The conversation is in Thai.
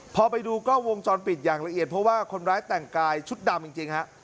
พอไปดูกล้องวงจรปิดอย่างละเอียดเพราะว่าคนร้ายแต่งกายชุดดำจริงฮะ